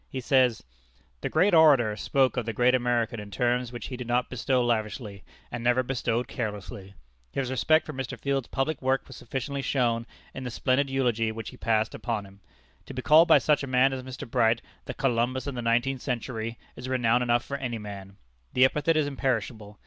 He says: "The great orator spoke of the great American in terms which he did not bestow lavishly, and never bestowed carelessly. His respect for Mr. Field's public work was sufficiently shown in the splendid eulogy which he passed upon him. To be called by such a man as Mr. Bright the Columbus of the Nineteenth Century is renown enough for any man. The epithet is imperishable.